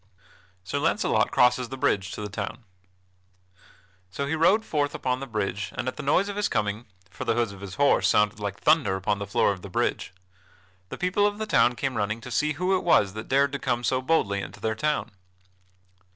[Sidenote: Sir Launcelot crosses the bridge to the town] So he rode forth upon the bridge and at the noise of his coming (for the hoofs of his horse sounded like thunder upon the floor of the bridge) the people of the town came running to see who it was that dared to come so boldly into their town.